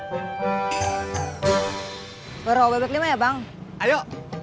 hai berobat lima ya bang ayo